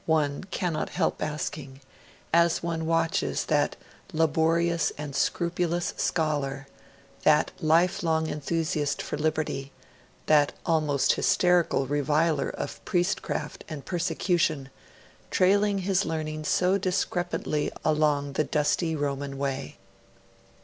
one cannot help asking, as one watched that laborious and scrupulous scholar, that lifelong enthusiast for liberty, that almost hysterical reviler of priesthood and persecution, trailing his learning so discrepantly along the dusty Roman way.